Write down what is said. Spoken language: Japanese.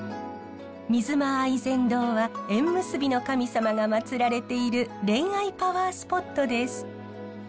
水間愛染堂は縁結びの神様が祭られている恋愛パワースポットです。